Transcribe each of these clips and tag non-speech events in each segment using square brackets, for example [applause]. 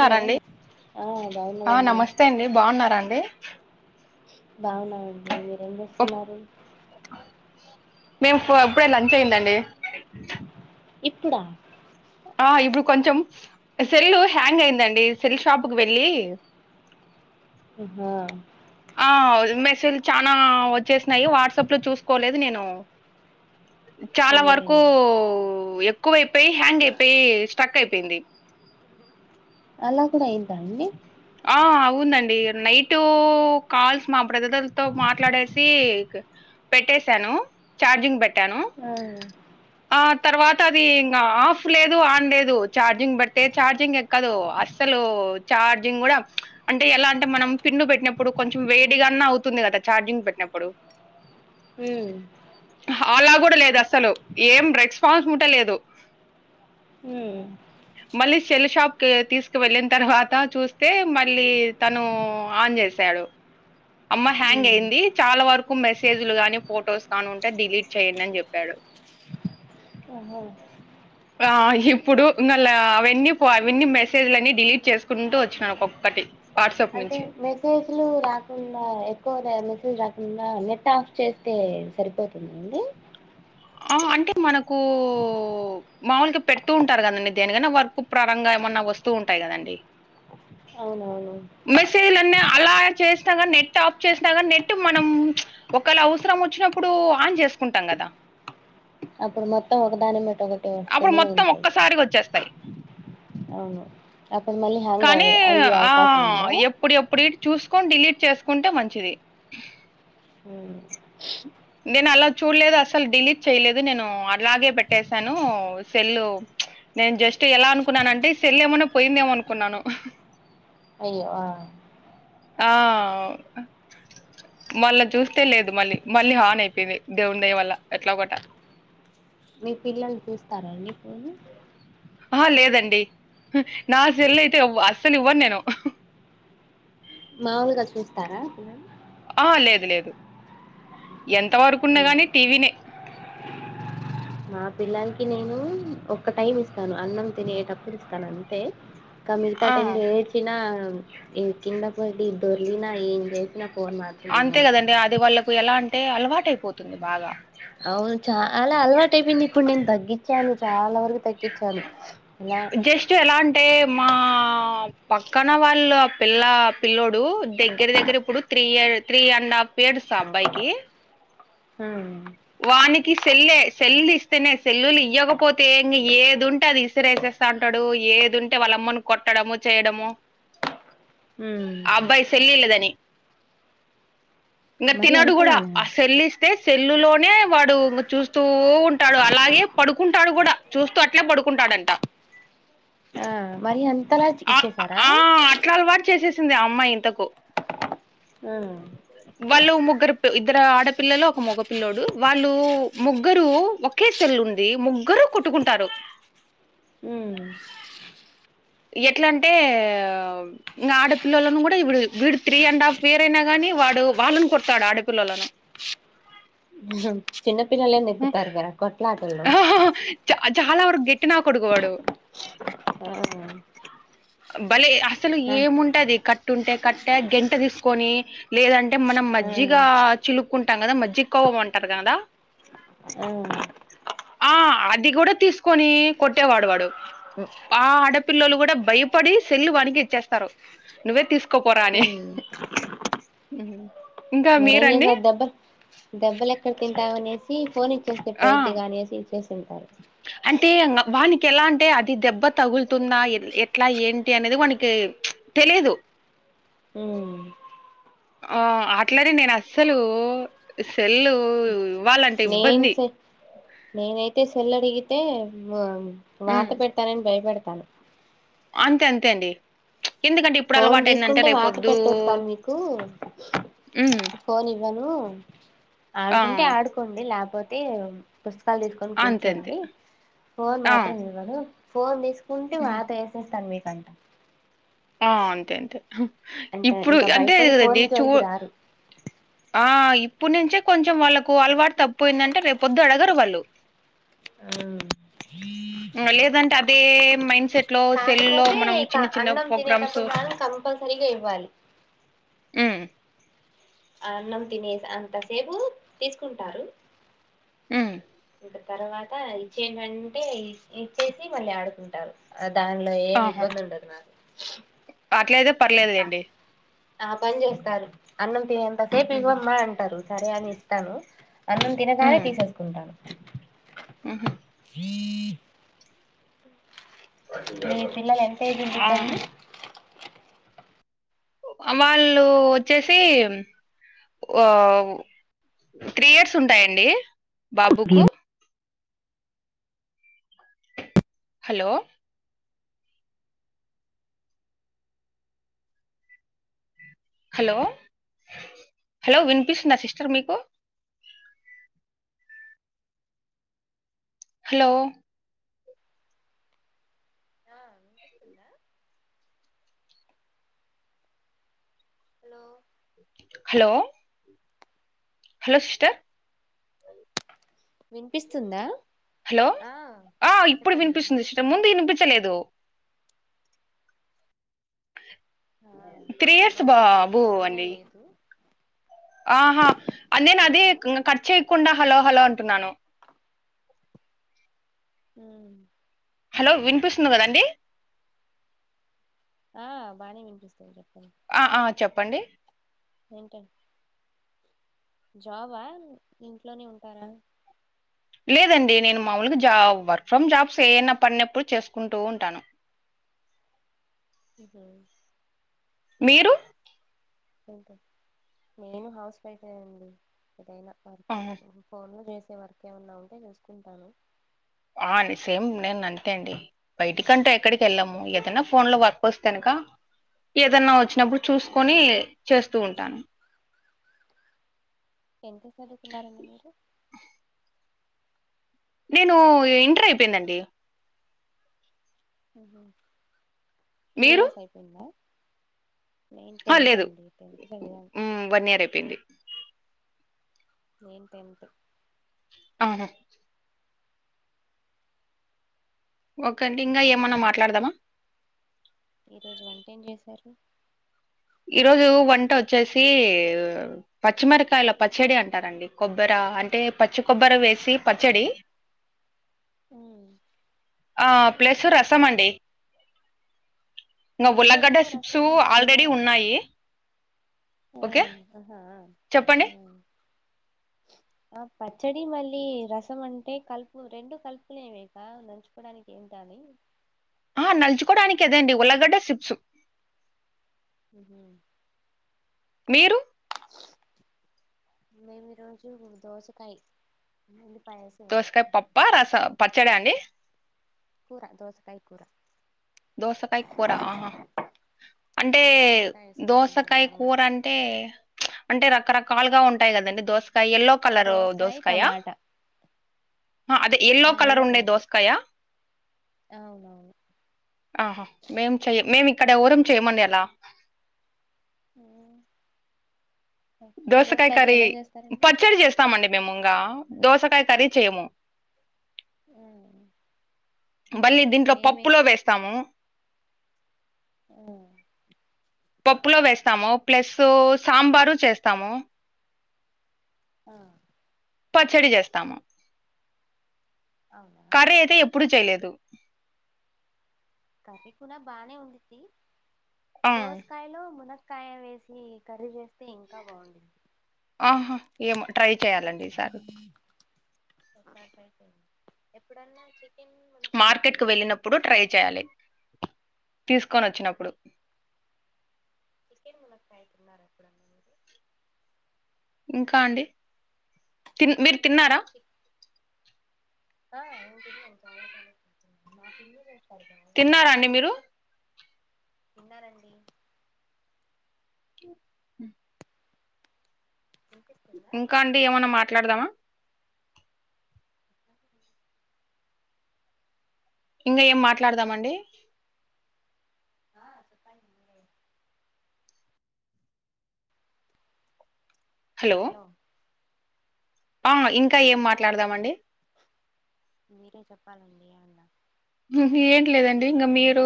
Hello ఆ ఆ బాగున్నామండి నమస్తే అండి బాగున్నండి బాగున్నాండి మీరేం చేస్తున్నారు మేము ఇప్పుడే లంచ్ అయిందండి ఇప్పుడ ఆ ఇప్పుడు కొంచెం సెల్ హ్యాంగ్ అయిందండి సెల్ షాప్ కి వెళ్ళి ఆహా ఆ మెసేజ్లు చానా వచ్చేసినాయి వాట్సాప్ లో చూసుకోలేదు నేను చాలా వరకు అదేలేండి ఎక్కువైపోయి హ్యాంగ్ అయిపోయి స్ట్రక్ అయిపోయింది అలా కూడా అయిదా అండి ఆ అవునండి నైట్ కాల్స్ మా బ్రదర్లతో మాట్లాడేసి పెట్టసాను చార్జింగ్ పెట్టాను ఉం ఆ తర్వాత అది ఇంగా ఆఫ్ లేదు ఆన్ లేదు ఛార్జింగ్ బట్ట ఛార్జింగ్ కదు అస్సలు చార్జింగ్ కూడా అంటే ఎలా అంటే మనం పిన్ను పెట్టినప్పుడు కొంచెం వేడిగాన్నా అవుతుంది కదా ఛార్జింగ్ పెట్టినప్పుడు ఉం అలా కూడా లేదు అస్సలు ఏం రెస్పాన్స్ ఉంటలేదు ఉం మళ్ళీ సెల్ షాప్ కి తీసుకువెళ్ళిన తర్వాత చూసి తే మళ్ళీ తను ఆన్ చేసాడు అమ్మ హ్యాంగ్ ఉమ్ అయింది చాలా వరకు మెసేజ్లు గానీ ఫొటోస్ గాని ఉంటే డిలీట్ చెయ్యండి అని చెప్పాడు అహో ఇప్పుడు ఇళ అవన్నీ అవన్నీ మెసేజ్లన్నీ డిలీట్ చేసుకుంటూ వచ్చినను ఒక్కొక్కటి. వాట్సాప్ అంటే నుంచి మీరు. ఫేజ్లు రాకుండా ఎక్కువ మెసేజ్ రాకుండా నెట్ ఆఫ్ చేస్తే సరిపోతుందండి. ఆ అంటే మనకూ. మాముూలుగా పెడుతూ ఉంటారు కదండి దేనికనా వర్క్ ప్రారంగా ఏమన్నా వస్తూ ఉంటాయి కదండి. అవునవును. మెసేజ్లన్నీ అలా చేస్తా కాని నెట్ ఆఫ్ చేస్తా కానీ నెట్ మనం. ఒకళ్ళ అవసరం వచ్చినప్పుడు ఆన్ చేసుకుంటాం కదా. అప్పుడు మొత్తం ఒకదాని మీట ఒకటి అప్పుడు వస్తనే మొత్తం ఉంటాయి. ఒక్కసారిగా వచ్చేస్తాయి అవును అప్పుడు మళ్ళీ హ్యాంగ్ అవ అయ్యే అవకాశం ఉందా. ఇప్పుడు ఎప్పుడు చూసుకొని డిలీట్ చేసుకుంటే మంచిది. అ. నేను అలా చూడలేదు అసలు డిలీట్ చేయలేదు నేను అలాగే పెట్టసాను సెల్. నేను జస్ట్ ఎలా అనుకున్నాన అంటే సెల్ ఏమన్నా పోయిందేమో అనుకున్నాను. అయ్యో ఆ. ఆ. మళ్ళ చూస్తే లేదు మళ్ళీ మళ్ళీ హాన్ అయిపోయింది దేవుని దయ వల్ల ఎట్లా కోట. మీ పిల్లల్ని చూస్తారాడి ఫోను. ఆ లేదండి నా సెల్ అయితేవ అస్సలు ఇవ్వను నేను. మాములుగా చూస్తారా. ఆ లేదు లేదు ఎంత వరకున్న మ్మ్ గాని టీవీనే. మా పిల్లలకి నేను ఒక్క టైం ఇస్తాను అన్నం తినేటప్పుడు ఇస్తాను అంతే. క మిగతా ఆ టైం లో ఏడ్చిన కింద పడి. దొర్లిన ఏం చేసినా ఫోన్ మాత్రం ఇవ్వను. గాడే వాల్లక్. ఎలా అంటే అలవాట అయిపోతుంది బాగా. అవును చాలా అలవాట అయిపోయింది ఇప్పుడు నేను తగ్గించాను చాలా వరకు తగ్గించాను. నా. జస్ట్ ఎలా అంటే మా పక్కన వాళ్ళు పిల్ల పిల్లోడు. దగ్గర దగ్గర ఇప్పుడు three year three and half years ఆ అబ్బాయికి. అ. వానికి సెల్ సెల్లు ఇస్తేనే సెల్లులు ఇవ్వకపోతే ఏమిఏది ఉంటే అది ఇసిరేస. అంటాడు ఏదింటే వాళ్ళమ్మను కొట్టడము చేయడము. ఉమ్ అబ్బాయి సెల్ లియ్యలేదని. ఇంకా మరి తినడు కూడా అంతలానా ఆ సెల్లు ఇస్తే సెల్లులో. నే వాడు చూస్తూ ఉంటాడు అలాగే పడుకుంటాడు కూడా చూస్తూ అట్లే పడుకుంటాడంట. ఆ మరి అంతలా ఆ ఇచ్చేసారా. ఆ అట్లా అలవాటు చేసేసింది ఆ అమ్మాయి ఇంతకు. ఊ. వాళ్ళు ముగ్గురు ఇద్దరు ఆడపిల్లలు ఒక మగపిల్లడు వాళ్ళు ముగ్గురు. ఓకే సెల్ ఉంది ముగ్గురు కుట్టుకుంటారు. ఉ. ఎట్లా అంటే. ఇంకా ఆడపిల్లలను కూడా ఇడు వీడు త్రీ అండ్ హాఫ్ ఇయర్ అయినా గానీ వాడు వాళ్ళను కొడతాడు ఆడపిల్లలను. చిన్నపిల్లలె నెకుతారు కదా కొట్లాటలొ చ చాలా వరకు గెట్టి నా కొడుకు వాడు మ్ భలే అసలు ఏముంటది కట్టు ఉంటే కట్టే గెంట్య తీసుకొని లేదంటే మనం ఆ మజ్జిగా చిలుక్కుంటాం కదా మజ్జి కోవం అంటారు కదా మ్ హఅది కూడా తీసుకొని కొట్టేవాడు వాడు ఆ ఆడపిల్లలు కూడా భయప పడి సెల్లు వానికి ఇచ్చేస్తారు నువ్వే తీసుకోపోరా అని ఉ [inaudible] మరి ఏం చేశావు దెబ్బల్ దెబ్బలు ఎక్కడ తింతావనెసి ఈ ఫోన్ ఇచ్చేస్తే ఆ పోయిద్ది గా అనెసి ఇచ్చె సింటారు అంటే అంగ వానికి ఎలా అంటే అది దెబ్బ తగులుతుంద ఎ ఎట్లా ఏంటి అనేది వానికి తెలిదు ఉ ఆ అట్లానే నేను అస్సలు హు సెల్లు ఇవ్వాలం నేను చె నేనైతే చెల్లు అడిగితే వ వాత ఉమ్ పె తనని భయపెడతాము అంతే అంతే అండి ఎందుకంటే ఇప్పుడు ఫోన్ అలవాటుయిందంటే తీసుకుంటే వాత రేపొద్దు పెట్టేస్తాను మీకు హు మ్ ఫోన్ ఇవ్వను ఆడుకుంటే ఆడుకోండి ల్య పోతే పుస్తకాలు తీసుకొని అంతే అంతే కూర్చోండి ఫోన్ ఆ మాత్రం ఇవ్వను ఫోన్ తీసుకుంటే ఉమ్, వాత వేసేస్తాను మీకంతా నొ అంతె అంతె అంతె ఇంకా భయపడి ఫోన్ జోలికి రారు ఆ ఇప్పుడు నుంచే కొంచెం వాళ్ళుకు అలవాటు తప్పు పోయిందంటే రేపు పొద్దు అడగరు వాళ్ళు అ [unintelligible] ఇంగ లేదంటే అదే మైండ్ సెట్ లో సెల్ లో కాకపోతే మనం ఇక చిన్న చిన్న అన్నం ప్రోగ్రామ్స్ తినేటప్పుడు మనం కంపల్సరీగా ఇవ్వాలి ము అన్నం తినేస్ అంత సేపు తీసుకుంటారు ము తర్వాత ఇచ్చేయిడంటే ఇచ్చేసి మళ్ళీ ఆడుకుంటారు అ దానిలో ఏమి ఇబ్బంది ఉండదు. మ్యమ్ అట్లాదెప్ అ ఆ పని జెస్తారు అన్నం తినె ఎంతసేపు హ్మ్ ఇవంఅమ్మా అంటారు సరే అని ఇస్తానుఅన్నం తినగానే తీసేసుకుంటాను మ్ హు ఈ మీ పిల్లలు ఎంత అయిపోయింది ఆ ఇబ్బంది వాళ్ళు వచ్చేసి వావ్ త్రీ ఇయర్స్ ఉంటాయండి బాబుకు హలో హలో హలో వినిపిస్తుదా సిస్టర్ మీకు హలో నా అనిపిస్తుందా హలో హలో హలో సిస్టర్ వినిపిస్తుందా? హలో ఆ ఆ ఇప్పుడు చెప్పండి వినిపిస్తుంది సిస్ట ముందు వినిపిస్తుందా వినిపించలేదు. ఆ త్రీ కొంచెం ఇయర్స్ లోపలికి వెళ్ళాను బాబు సిగ్నల్ అండి. లేదు ఆహా అ నేను అది మీకా కట్ చేయకుండా హలో హలో అంటున్నాను. మ్ హలో వినిపిస్తుంది కదా అండి! ఆ బానే వినిపిస్తుంది చెప్పండి. అ ఆ చెప్పండి. ఏంటన్ జాబ? ఇంట్లోనే ఉంటారా? లేదండి నేను మాముూలుగా జా వర్క్ ఫ్రమ్ జాబ్స్ ఏమనా పడినప్పుడు చేసుకుంటూ ఉంటాను. మ్హు మీరు? అంటే నేను హౌస్ వైఫే అండి ఏదైన వర్క్ ఫోన్ లో చేసే వర్క్ ఏమన్న ఉంటే చూసుకుంటాను. ఆ సేమ్ నేను అంతే అండి. బయటికంటె ఎక్కడికి వెళ్ళము. ఏదన్న ఫోన్ లో వర్క్ వస్తే గనుక, ఏదన్నా వచ్చినప్పుడు చూసుకొని ఉమ్ చేస్తూ ఉంటాను. ఎంత చదువుకున్నారండి మీరు? నేను ఇంటర్ అయిపోయిందండి. మ్హు టూ మీరు ఇయర్స్ అయిపోయిందా! నేను టెన్త్ అండి టెన్త్ చదివాను మ్ వన్ ఇయర్ అయిపోయింది. నేను టెన్ట్. ఆ హ ఓకే అండి ఇంగా ఇంకా ఏమన్న మాట్లాడదామ? ఈ రోజు వంట ఏం చేశారు? ఈ రోజు వంట వచ్చేసి పచ్చిమిరకాయల పచ్చడి అంటారండి. కొబ్బెర అంటే పచ్చి కొబ్బెర వేసి పచ్చడి మ్మ్ ఆ ప్లస్ రసమండి. ఇంక ఉల్లగడ్డ పచ్చడిలో చిప్స్ రసం ఆల్రెడీ ఉన్నాయి. ఓకే మ్ అహా ఆ చెప్పండి ఆ పచ్చడి మళ్ళీ రసం అంటే కలుపు రెండు కలుపుకునేవేగా నంచుకోడానికి ఏంట అని ఆ నలుచుకోడానికి అదండి ఉల్లగడ్డ చిప్స్ మ్ మీరు మేము ఈరోజు దోసకాయి మల్లీ పాయస దోసకాయ పప్ప రస పచ్చడ అండి? కూర దోసకాయ కూర దోసకాయ కూర ఆహా అంటే ఉమ్, టమాటా వేసుకొని దోసకాయ వండుకుంటాంగా కూర అన్ అంటే రకరకాలుగా ఉంటాయి కదండి దోసకాయ ఎల్లో కలర్ దోసకాయ దోసకాయా టమాటా ఆ అదే ఎల్లో ఆ కలర్ ఉండే కలర్దే దోసకాయ అవునవును ఆహా మేం చెయ మేము ఇక్కడ ఎవరం చేయమండి అలా ఊ దోసకాయ కర్రీ ఎలా చేస్తారండి పచ్చడి చేస్తామండి మేము ఇంకా దోసకాయ కర్రీ చేయము ఆ మళ్ళీ దీంట్లో పప్పులో వేస్తాము మ్ పప్పులో వేస్తాము ప్లస్సూ సాంబారు చేస్తాము ఆ పచ్చడి చేస్తాము [inaudible] కర్రీ అయితే ఎప్పుడు చేయలేదు కర్రీ కూడా బానే ఉండిద్ది ఆ! దోసకాయలో మునక్ కాయ వేసి కర్రి చే ఆహా ఏమో ట్రై చేయాలండి ఈసారి ఒకసారి ట్రై చేయండి ఎప్పుడన్నా చికెన్ కు మార్కెట్ కు వెళ్ళినప్పుడు ట్రై చేయాలి తీసుకొని వచ్చినప్పుడు చికెన్ ములక్కాయ్ తిన్నారండి ఇంకా అండి తిన్ మీరు తిన్నారా ఆ నేను తిన్నాను చాలా చాలా మా పిన్ని చేస్తారు బా తిన్నార అండి మీరు తిన్నానండి మ్ [inaudible] ఇంకా అండి ఏమన్నా మాట్లాడదామా ఇంగా ఏం మాట్లాడదామండి ఆ సెప్పండి హలో ఆ ఇంకా ఏం మాట్లాడదామండి మీరే చెప్పాలండి ఏమన్న ఏం లేదండి ఇంకా మీరూ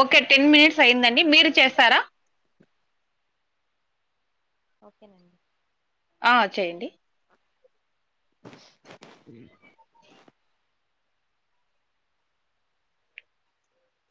ఓకే టెన్ మినిట్స్ అయిందండి మీరు చేస్తారా ఓకేనండి ఆ చేయ్యడి అ ఉ